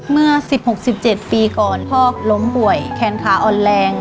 เมื่อ๑๖๑๗ปีก่อนพ่อล้มป่วยแขนขาอ่อนแรง